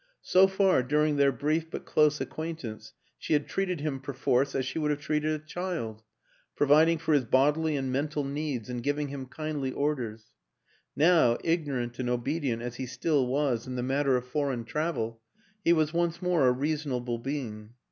So far during their brief but close acquaintance she had treated him per force as she would have treated a child provid ing for his bodily and mental needs and giving him kindly orders; now, ignorant and obedient as he still was in the matter of foreign travel, he was once more a reasonable being.